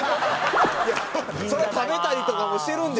いやそりゃ食べたりとかもしてるんでしょ？